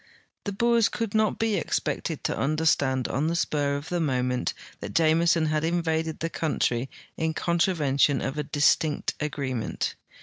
The Boers could not be expected to understand on the spur of the moment that Jameson had invaded the country in con travention of a distinct agreement.